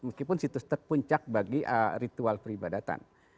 meskipun situs terpuncak bagi ritual peribadatan